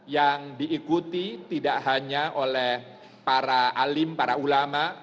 yang diikuti tidak hanya oleh para alim para ulama